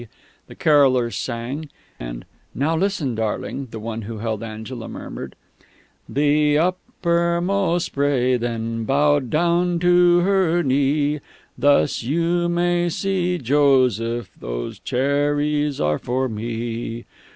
_'" the carollers sang; and "Now listen, darling," the one who held Angela murmured.... "_The uppermost spray then Bowed down to her knee; 'Thus you may see, Joseph, These cherries are for me.'